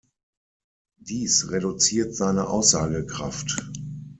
Dies reduziert seine Aussagekraft.